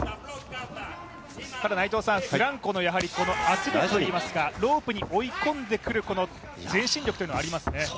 フランコの圧力といいますか、ロープに追い込んでくるこの前進力というのはありますね。